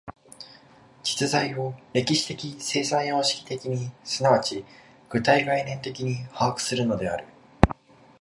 実在を歴史的生産様式的に即ち具体概念的に把握するのである。